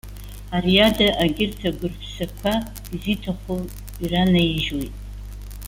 Ари ада агьырҭ агәырԥсақәа изиҭаху иранаижьуеит.